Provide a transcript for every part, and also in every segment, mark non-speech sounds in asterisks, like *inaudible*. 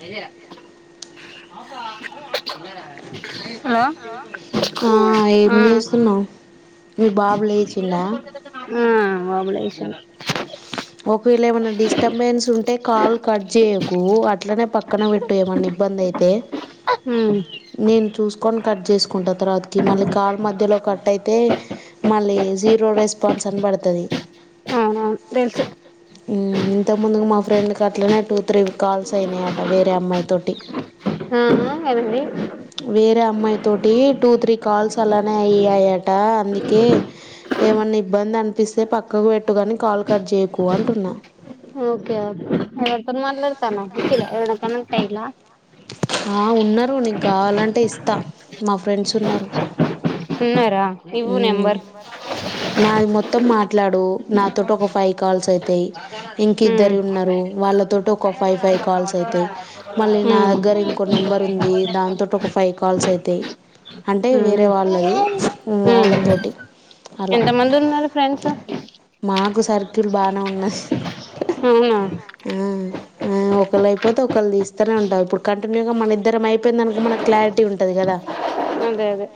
అ hello ఆ ఉ ఏం ఆ చేస్తున్నావు మీ బాబు లేచిండా బాబులేషం ఒకవేళ ఏమైన్నా డిస్టబెన్స్ ఉంటే కాల్ కట్ చేయకు అట్లనే పక్కన పెట్టు ఏమైన్నా ఇబ్బంది అయితే. ఉమ్ నేను చూసుకోన్ కట్ చేసుకుంటార తర్వాత కి మళ్ళీ కాళ్ మధ్యలో కట్అయ్యి తే మళ్ళీ జీరో రెస్పాన్స్ అన్ పడుతుంది అవునవును తెలుసు ఉ ఇంతకుముందుగా మా ఫ్రెండ్కి అట్లనే టూ త్రీ కాల్స్ అయినాయట వేరే అమ్మాయి తోటి. ఆ ఎవరిది అమ్మాయి తోటి టూ త్రీ కాల్స్ అలానే అయ్యాయట అందుకే ఏమన్నా ఇబ్బంది అనిపిస్తే పక్కకు పెట్టుగాని కాల్ కట్ చేయ.. కు అంటున్నా ఓకే ఓకే ఎవరితోని మాట్లాడతాన్నావు ఊటీగా ఏదైనా కానా ఎలా ఆహ్ ఉన్న నీకు కావాలంటే ఇస్తా మా ఫ్రెండ్స్ ఉన్నారు. ఉన్నార ఉమ్ నాది మొత్తం మాట్లాడు నాతోటి ఒక ఫైవ్ కాల్స్ అయితాయి ఇంక ఉమ్ ఇద్దరు ఉన్నారు వాళ్ళతోటి ఒక ఫైవ్ ఫైవ్ కాల్స్ అయితాయి మళ్ళీ నా ఉమ్ దగ్గర ఇంకో నెంబర్ ఉంది దానతోటి ఒక ఫైవ్ కాల్స్ అయి ది అంటే ఉమ్ వేరే ఉమ్ వాళ్ళది వాళ్ళతోటి అలా ఎంత మంది ఉన్నారు ఫ్రెండ్స్. నాకు సర్కిల్ బానే ఉన్నాది అవునా ఆ ఒకళ్ళు అయిపోతే ఒకళ్ళు తీస్తానే ఉంటారు ఇప్పుడు కంటిన్యూగా మన ఇద్దరమ్మాయిపాయిందనుకో మనకు క్లారిటీ ఉంటాది కదా. అదే అదే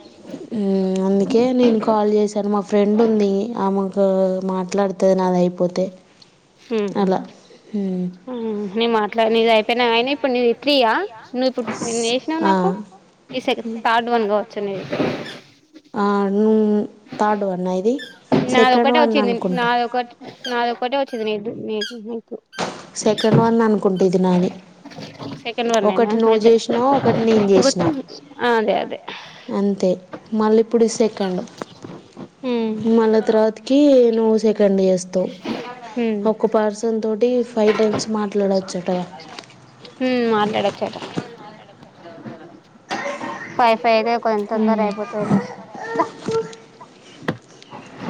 అంది ఓకే నేను కాల్ చేశాను మా ఫ్రెండ్ ఉంది ఆమెకు మాట్లాడుతాది నాది అయిపోతే అలా ఉమ్ నేను మాట్లాడిన నీది అయిపోయినాయనే ఇప్పుడు నీది త్రీ ఆ నువ్వు ఇప్పుడు ఎన్ని చేసినావు ఆ, నాకు ఈ సె థర్డ్ వన్ గావచ్చు నీది ఆవును ను తాడు వన్నా ఇది సెకండ్ నాదొకటే వన్ వచ్చింది అనుకుంటా నాదొకట్ నాదొక ఒకటే వచ్చింది నీకు నీకు నీకు సెకండ్ వన్ అనుకుంటా ఇది నాది సెకండ్ వన్ నేనా ఒకటి నువ్వు అదే చేసినావు ఒకటి నేను ఒకటి చేసినా అదే అదే అంతే మళ్ళీ ఇప్పుడు సెకండ్. ఉమ్ మళ్ళ తరువాతికి నువ్వు సెకండ్ చేస్తావు ఒక పర్సన్ తోటి టైమ్స్ మాట్లాడొచ్చట హ్మ్ మాట్లాడొచ్చట ఫైవ్ ఫైవ్ దే కొన్ తొందర అయిపోతాది దా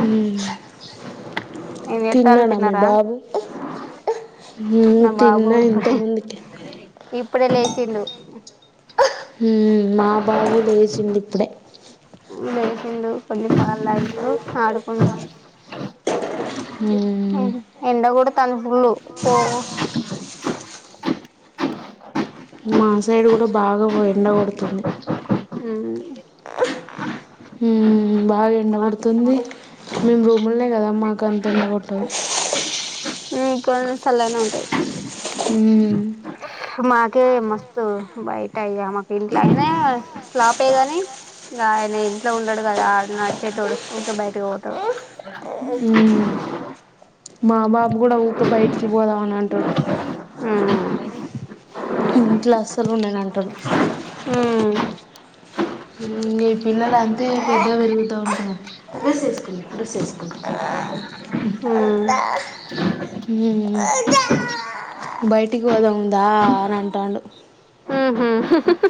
మ్మ్ ఏం చేత్తాల్లు తిన్నాడా మీ తిన్నారా బాబు మ్మ్ నా బాబు తిన్నా ఇంత ఇప్పుడే ముందుకే ఇప్పుడే లేచిండు మ్మ్ మా బాబు లేచిండు ఇప్పుడే లేసిండు కొన్ని పాలు తాగిండు ఆడుకుంటాండు మ్మ్ ఎండ గోడుత్ తాంది ఫుల్లు ఓ మా సైడ్ కూడా బాగా ఎండగొడుతుంది మ్మ్ బాగా ఎండ కొడుతుంది మేము రూములే కదా మాకు అంత ఎండ కొట్టదు మ్మ్ కొంచెం చల్లగనే ఉంటది మాకే మా తో బయటయ్య మాకు ఇంట్లో అయినా స్లాపే గాని ఇంగ ఆయన ఇంట్లో ఉండడు కదా ఆ నడిచేటోడు ఊ కే బయటకి పోతాడు మ్మ్ మా బాబు కూడా ఊక బయటికి పోదాం అని అంటడు ఉమ్ ఇంట్లో అసలు ఉండను అంటాడు ఈ పిల్లల అంతే పెద్ద పెరుగుతా ఉంటం ఉమ్ బయటికి పొదముందా అని అంటాడు మ్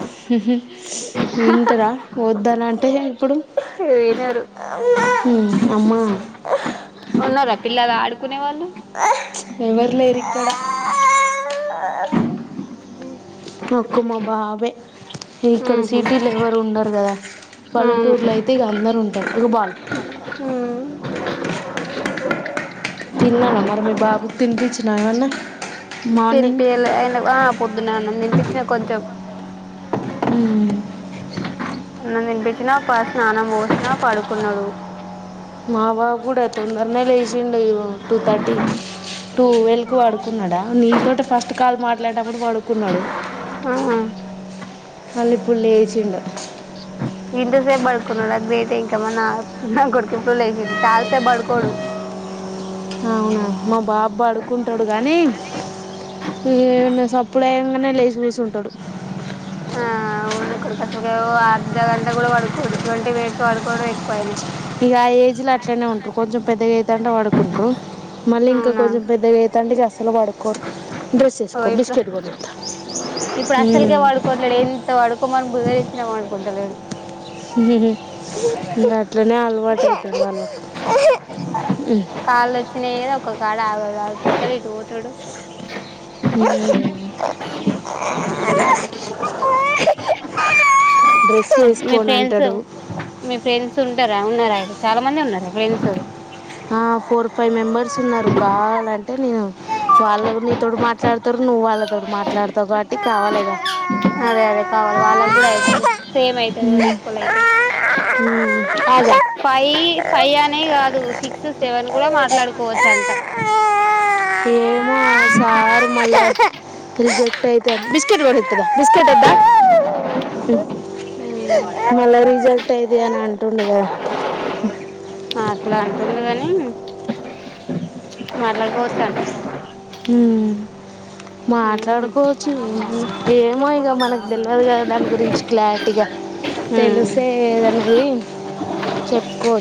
వింటరా వద్దనంటే ఇప్పుడు వినరు అమ్మ లా పిల ఆడు ఎవర్ లేరు ఇక్కడ ఒక మ బాబే ఇక్కడ ఉహు సిటీలు ఎవరు ఉండరు కదా, అవును పల్లెటూరులో అయితే ఇక అందరుూ ఉంటారు ఒక బాల్ ఉమ్ తిన్నావా మరి మీ బాబుకి తినిపించిన ఏమన్నా మార్నింగ్ తినిపియలే ఆయన ఆ పొద్దున అన్నం తినిపించిన కొంచెం మ్ అన్నం తినిపించినా స్నానం పోసినా పడుకున్నాడు మా బాబు కూడా తొందరనే లేచిండు, టూ థర్టీ టూ వేల్కి వాడుకున్నాడా నీతో ఫస్ట్ కాల్ మాట్లాడేటప్పుడు పడుకున్నాడు. అల్ ఇప్పడు లేచిండు ఇంతసేపు పడుకున్నాడు అది గ్రేట్ ఇంకా మ నా నా కొడుకి ఎప్పుడు లేచంది చాలా సేపు పడుకోడు అవునా మా బాబ్ పడుకుంటాడు కానీ ఏవన్నా సప్పు డయంగానే లేచి కూసుంటాడు అవును ఇక్కడసలు అర్ధ గంట కూడా పడుకోడు ట్వంటీ మినిట్స్ పడుకోవడం ఎక్కువ ఆయినా ఇక ఆ ఏజ్ లో అట్లనే ఉంట్రు కొంచెం పెద్దగయితంటే పడుకుంటారు మళ్ళీ ఇంకా అవునా కొంచెం పెద్దయేతండి ఓ ఇట్రా బిస్కెట్ కొని ఇస్తా. ఇప్పుడు అస్సలకే ఉమ్. పడుకుంటాలేడు ఎంత పడుకోమని బుజగిచ్చినా పడుకుంటలేడు గట్లనే అలవాటు అయితది వాళ్ళ కి క్కాడ ఆగడు అటుపోతడు ఇటుపోతడు డ్రెస్ మీ ఫ్రెండ్స్ వేసుకోనంటడు మీ ఫ్రెండ్స్ ఉంటారా చాలా మందే ఉన్నారా ఫ్రెండ్స్ ఆ ఫోర్ ఫైవ్ మెంబర్స్ ఉన్నారు కావాలం అంటే నేను వాళ్ళు నీతోడు మాట్లాడతారు నువ్వు వాళ్ళతోడు మాట్లాడతావు కాబట్టి కావాలిగా అదే అదే కావాలి వాళ్ళకి కూడా అయితది సేమ్ ఈక్వల్ అయితయి అదే ఫై ఫై అనే కాదు సిక్స్ సెవెన్ కూడా మాట్లాడుకోవచ్చు అంట ఏమో సార్ మల్ల రిజెక్ట్ అయితే మళ్ళా రిజెక్ట్ అయితయని అంటుండు కదా మ్ మర్లా గో మ్ మాట్లాడుకోవచ్చు ఏమో ఏమో ఇక మనకు తెలువదు కదా, దాని గురించి క్లారిటీగా తెలిసే దనేది చెప్పుకో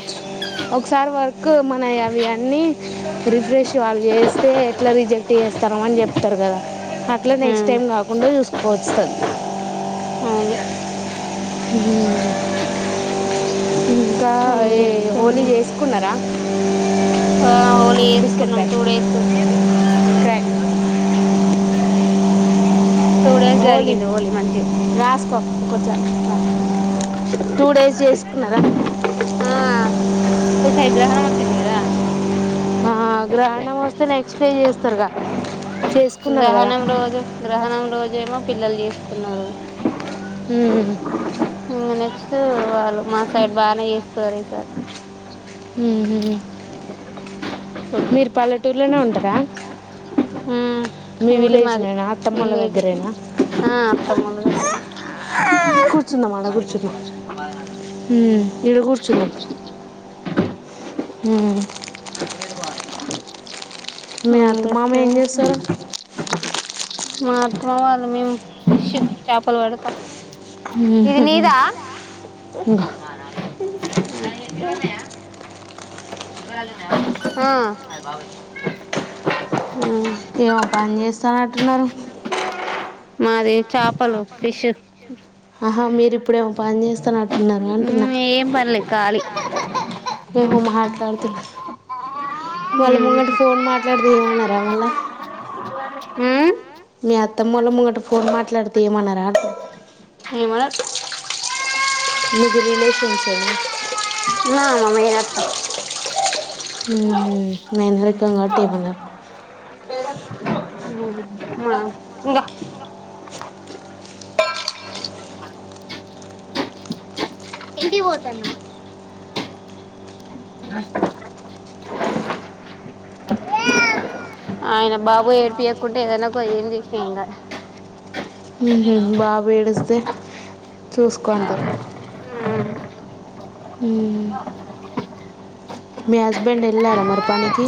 ఒకసారి వర్క్ మనవి అవి అన్నీ రిఫ్రెష్ వాళ్ళు చే స్తే ఎట్లా రిజెక్ట్ చేస్తారో అని చెప్తారు కదా, అట్లా నెక్స్ట్ టైం కాకుండా చూసుకోవస్తాది అవును మ్ ఇంకా ఏం ఏ హోలీ చెప్తున్నా చేసుకున్నారా ఆ హోళీ బిస్కెట్ చేసుకున్నాం pack two days crack two days Holi జరిగింది హోలీ మంచిగా రాస్కో టూ కొచన్ డేస్ చేసు కున్నర ఆ ఈసైడ్ గ్రహణం ఒచ్చింది కదా ఆ గ్రహణం వస్తే నెక్స్ట్ డె చేసు స్తరుగా గ్రహణం రోజు గ్రహణం రోజు ఏమో పిల్లలు చేసుకున్నారు మ్ హూ క్స్ట్ వాళ్ళు మా సైడ్ బానే చేసుకున్నరు ఈసారి ఉహూ అ మీరు పల్లెటూరులనే ఉంటారా ఉమ్ మీ ఊరి విలేజ్ మాది నేనా అత్తమోళ్ల విలేజే దగ్గరేనా ఆ అత్తమ్మోల్ల దగ్గరనే కూర్చుందాం అడ కూర్చుందాం మ్ ఈడ కూర్చుందాం *inaudible* మ్మ్. మీ అత్త మామ మెట్ల మీదకు పోవాలి చేస్తారు ఏం చేత్తరు మా అత్తమ వాళ్ళు మేము ఫిష్ చాపలు పడతం ఇది మ్మ్. నీదా ఇంగో హచ్ ఆ ఏమో పని చేస్తన్నట్టరు మాది చాపలు ఫిష్ ఆహా మీరు ఇప్పుడేమో పని చేస్తునటున్నారు అంటున్నా ఉమ్ ఏం పనిలేదు ఖాళీ ఏమో మాట్లాడు తు వాళ్ళ ముంగట ఉమ్ ఫోన్ మాట్లాడితే ఏమనరా మళ్ళ ఉమ్ మీ అత్తమ్మోల ముంగట ఫోన్ మాట్లాడితే ఏమనరా అంటున్న ఏమనరు మీకు రిలేషన్సే నా నా *unintelligible* ఉహూ నేన్ రెడ్ సం గట్టి ఏమనరు మ ఉంగో ఇంటికి పోతన్నా *unintelligible* ఆయన బాబు ఏడిపియకుంటే ఏదైనొక ఏం చేసిన ఎంగదు హూ బాబు ఏడిస్తే చూసుకొంటరు కాదు ఉమ్ మీ హజ్ బెండ్ ఎళ్ళారా మరిపని కి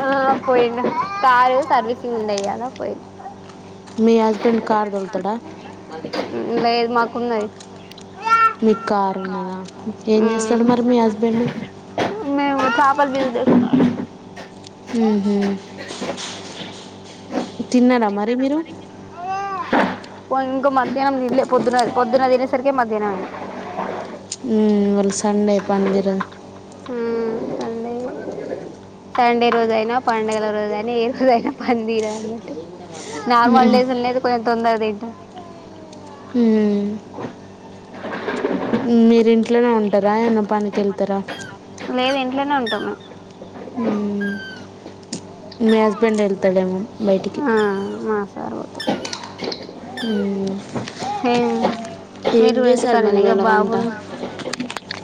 ఆ పోయిండు కారు సర్వీసింగ్ ఉండె ఇయ్యల పోయి మీ హస్బెండ్ కార్ తోలుతడ లేేదు మాకు ఉన్నాయి మీకు కారు ఉన్నద ఏం చేస్తాడు మరి మీ హస్బెండ్ మేము చేపల పులుసు చేసుకున్నాం ఉమ్ హు తిన్నార మరి మీరు ఓ ఇంక మధ్యాహ్నం తిన్లె పొద్దున పొద్దున. తినే సరికె మధ్యాహ్నం అయి హు ఇవాల సండే పందిరదు సండే సండే ఏ రోజయిన పండుగల రోజయిన ఏ రోజయిన పందిర అన్నట్టు నార్మల్ డేస్ నైతే కొంచెం తొందర త్త హు మీరిన్ ఇంట్లనే ఉను టరా ఏమన్న పని కెళ్తర ఆ మీ హస్బెండ్ వెళ్తాడేమో బయటికి మేము ఆ మా సార్ పోతాడు ఏం మీరు చేశారు మరి ఇంటికాడేనా ఇక ఇవాళ వంట బాబును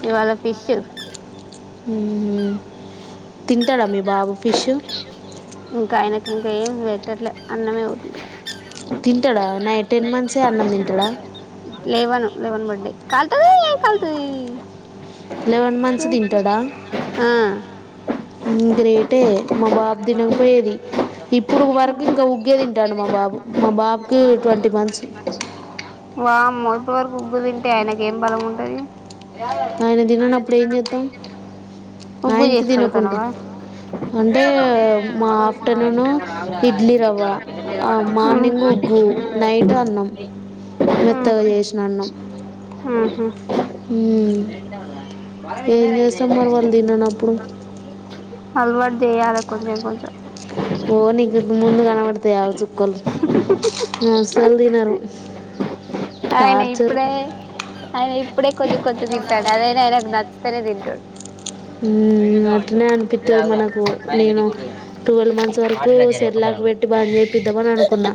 ఇవాళ ఫిష్ తింటర మీ బాబు ఫిష్ ఇంక ఏం వేటట్లే అన్నమే ఉ తింటడ నై టెన్ మంత్సే అన్నం తింటడ లెవన్ బడ్డాయి కల్తాది కల్తా లెవెన్ మంత్స్ తింటాడా ఆ గ్రేటే మా బాబు తినకపోయేది ఇప్పుడు వరకు ఇంకా ఉగ్గే తింటాడు మా బాబు మా బాబుకి ట్వంటీ మంత్స్ వామ్మో ఇప్పటి వరకు ఉవబ్బ తింటే ఆయనకి ఏం బలం ఉంటది ఆయన తిననప్పుడు ఏం చేద్దాం ఉగ్గు ఆయనకి చేసి తినకుండా పెడతానవా అంటే మా ఆఫ్టర్నూన్ ఇడ్లీ రవ్వ మార్నింగ్ ఉగ్గు నైట్ అన్నం మెత్తగా చేసిన అన్నం వర ఏం చేస్తాం మరి వాళ్ళు తిననప్పుడు అలవాటు చేయాల కొంచెం కొంచెం ఓ నీ ముందు కనబడతాయి ఆ చుక్కలు నేన అసలు తినరు టార్చర్ అప్పుడే కొ కొంచెం తింటాండి అదైనా అనకు నచ్చుతేనే తింటాడు మ్ అట్నే అనిపిస్తుంది మనకు, నేను ట్వెల్వ్ మంత్స్ వరకు సెర్లాకి పెట్టి బాంద చేపిద్దామని అనుకున్నా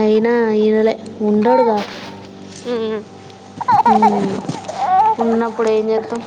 అయినా ఈ నెలే ఉండడుగా ఉమ్ మ్ ఉన్నప్పుడు ఏం చేస్తాం